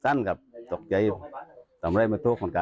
ซันครับตกใจทำอะไรบ้างค่ะ